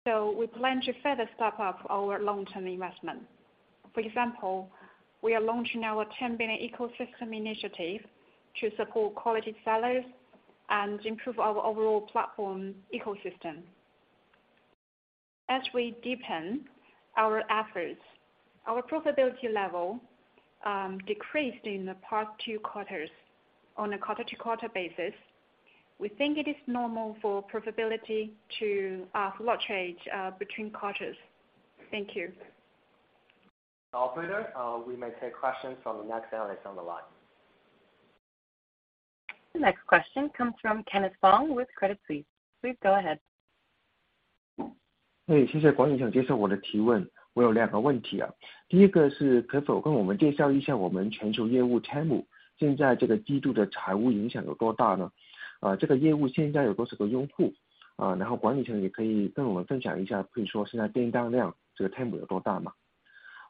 We plan to further step up our long-term investment. For example, we are launching our 10 Billion Ecosystem Initiative to support quality sellers and improve our overall platform ecosystem. As we deepen our efforts, our profitability level decreased in the past two quarters. On a quarter-to-quarter basis, we think it is normal for profitability to fluctuate between quarters. Thank you. Operator, we may take questions from the next analyst on the line. The next question comes from Kenneth Fong with Credit Suisse. Please go ahead. Hey, 谢谢管理层接受我的提问。我有两个问题 啊， 第一个是可否跟我们介绍一下我们全球业务 Temu， 现在这个季度的财务影响有多大 呢？ 这个业务现在有多少个用 户？ 然后管理层也可以跟我们分享一 下， 比如说现在订单 量， 这个 Temu 有多大 吗？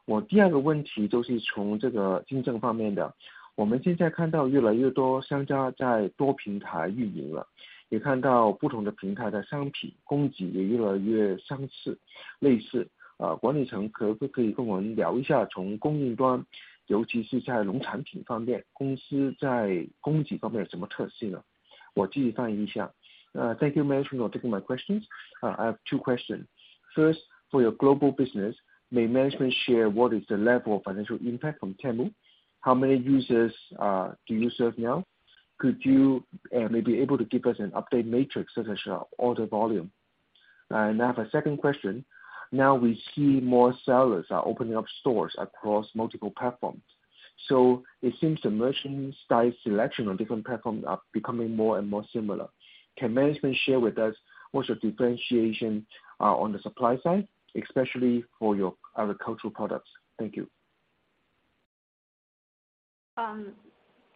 我第二个问题就是从这个竞争方面 的， 我们现在看到越来越多商家在多平台运营 了， 也看到不同的平台的商品供给也越来越相 似， 类似。呃... 管理层可不可以跟我们聊一 下， 从供应 端， 尤其是在农产品方 面， 公司在供给方面有什么特性 呢？ 我继续翻译一下。Thank you, management for taking my questions. I have two questions. First, for your global business, may management share what is the level of financial impact from Temu? How many users, do you serve now? Could you, maybe able to give us an update matrix, such as, order volume? I have a second question. Now, we see more sellers are opening up stores across multiple platforms, so it seems the merchant style selection on different platforms are becoming more and more similar. Can management share with us what's your differentiation, on the supply side, especially for your agricultural products? Thank you.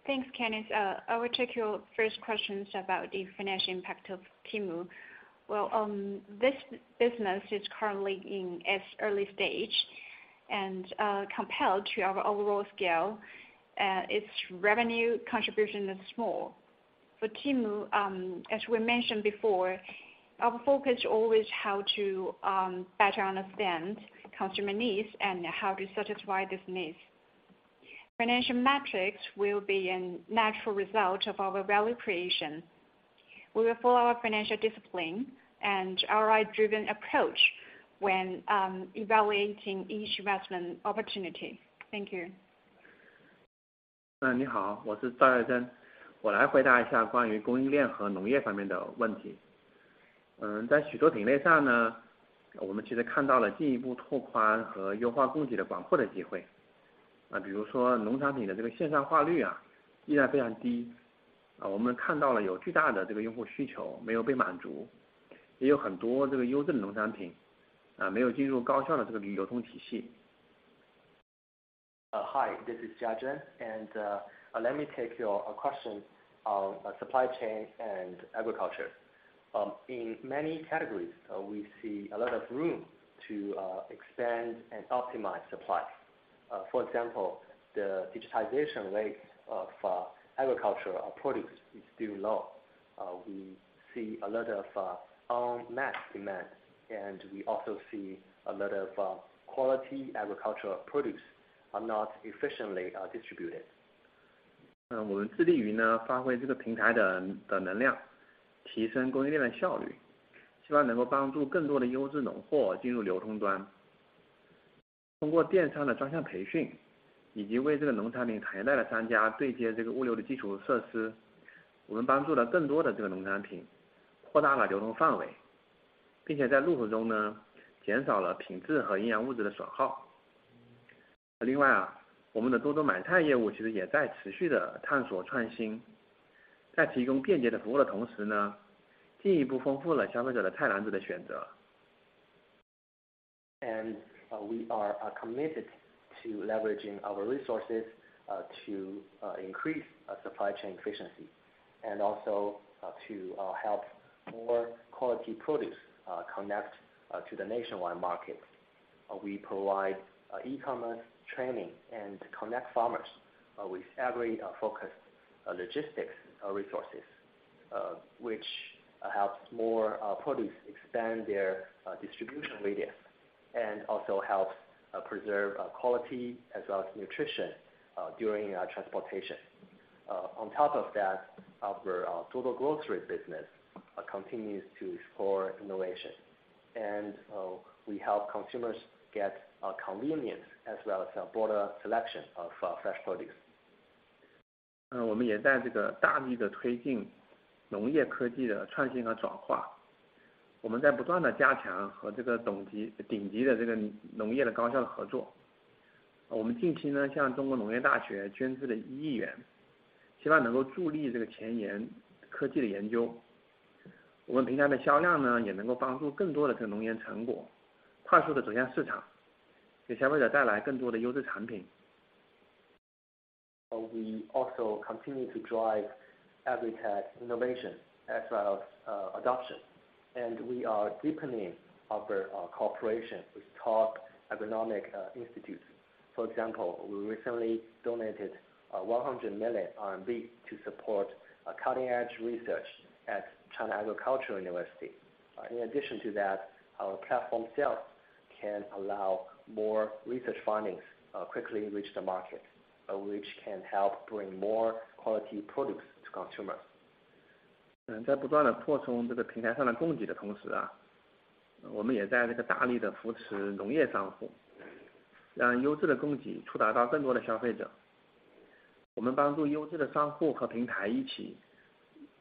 Thanks, Kenneth. I will take your first questions about the financial impact of Temu. This business is currently in its early stage, compared to our overall scale, its revenue contribution is small. For Temu, as we mentioned before, our focus always how to better understand customer needs and how to satisfy this needs. Financial metrics will be a natural result of our value creation. We will follow our financial discipline and ROI driven approach when evaluating each investment opportunity. Thank you. 你 好， 我是赵占森。我来回答一下关于供应链和农业方面的问题。在许多品类上 呢， 我们其实看到了进一步拓宽和优化供给的广阔的机会。比如说农产品的这个线上化率依然非常 低， 我们看到了有巨大的这个用户需求没有被满 足， 也有很多这个优质的农产 品， 没有进入高效的这个流通体系。hi, this is Zhao Jiazhen. Let me take your question on supply chain and agriculture. In many categories, we see a lot of room to expand and optimize supply. For example, the digitization rate of agricultural produce is still low. We see a lot of unmet demand, and we also see a lot of quality agricultural produce are not efficiently distributed. 我们致力于发挥这个平台的能 量, 提升供应链的效 率, 希望能够帮助更多的优质农货进入流通 端. 通过电商的专项培 训, 以及为这个农产品带来的商家对接这个物流的基础设 施, 我们帮助了更多的这个农产 品, 扩大了流通范 围, 并且在路途中减少了品质和营养物质的损 耗. 另 外, 我们的 Duoduo Maicai 业务其实也在持续地探索创 新. 在提供便捷的服务的同 时, 进一步丰富了消费者的菜篮子的选 择. We are committed to leveraging our resources to increase supply chain efficiency and also to help more quality produce connect to the nationwide market. We provide e-commerce training and connect farmers with every focused logistics resources, which helps more produce expand their distribution radius, and also helps preserve quality as well as nutrition during transportation. On top of that, our total grocery business continues to explore innovation, and we help consumers get convenience as well as a broader selection of fresh produce. Uh, We also continue to drive agritech innovation as well as adoption. We are deepening our cooperation with top economic institutes. For example, we recently donated 100 million RMB to support a cutting-edge research at China Agricultural University. In addition to that, our platform sales can allow more research findings quickly reach the market, which can help bring more quality products to consumers. Uh,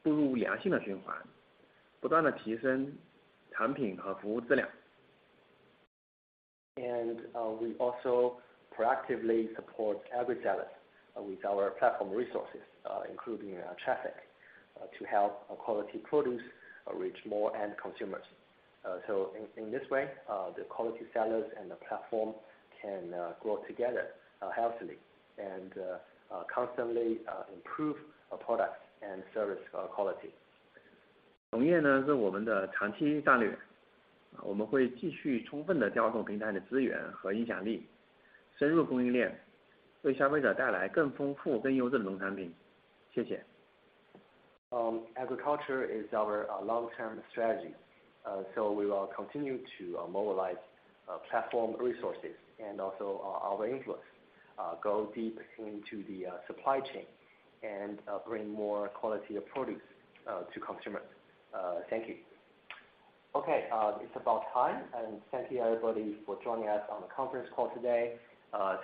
We also proactively support every seller with our platform resources, including traffic, to help our quality produce reach more end consumers. In this way, the quality sellers and the platform can grow together healthily and constantly improve our product and service quality. Agriculture is our long-term strategy. We will continue to mobilize platform resources and also our influence, go deep into the supply chain and bring more quality of produce to consumers. Thank you. Okay, it's about time, and thank you everybody for joining us on the conference call today.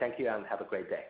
Thank you, and have a great day.